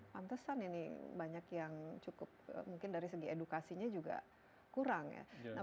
pantesan ini banyak yang cukup mungkin dari segi edukasinya juga kurang ya